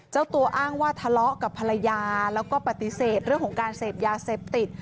เจ้าตัวอ้างว่าทะเลาะกับภรรยาแล้วก็ปฏิเสธเรื่องของการเสพยาเสพติด